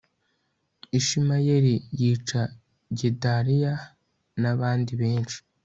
ishimayeli yica gedaliya n abandi benshi